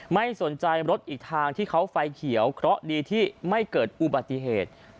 ไม่สนใจรถอีกทางที่เขาไฟเขียวเพราะดีที่ไม่เกิดอุบัติเหตุ